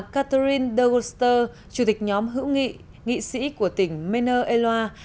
catherine douglester chủ tịch nhóm hữu nghị nghị sĩ của tỉnh ménor et loire